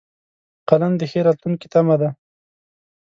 قلم د ښې راتلونکې تمه ده